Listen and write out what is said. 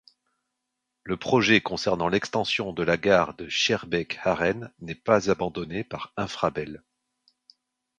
Le projet concernant l’extension de la gare de Schaerbeek-Haren n'est pas abandonné par Infrabel.